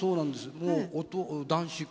もう男子校。